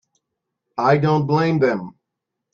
I don't blame them.